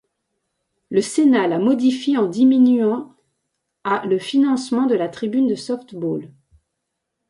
Le Sénat la modifie en diminuant à le financement de la tribune de softball.